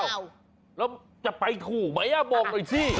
อ้าวแล้วจะไปถูกมั้ยบอกหน่อยสิ